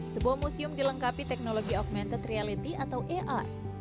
sebuah museum dilengkapi teknologi augmented reality atau ar